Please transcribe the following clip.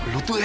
lo tuh ya